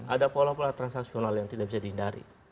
ada pola pola transaksional yang tidak bisa dihindari